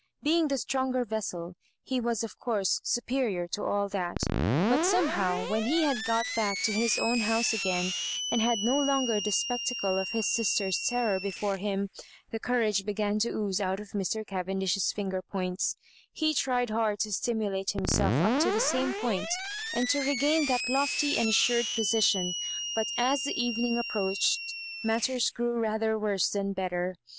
Being the stronger vessel, he was of course superior to all that. But somehow when he had got back to his own house again, and had no longer the spectacle of his sister's terror be fore him, the courage began to ooze out of Mr. Cavendish's finger points ; he tried hard to sti mulate himself up to the same point, and to re gain that lofty and assured position ; but as the evening approached, matters grew rather worse than better.